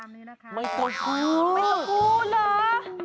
ไม่ต้องพูดเหรอ